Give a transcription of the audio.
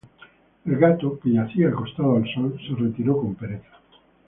El gato, que yacía acostado al sol, se estiró con pereza.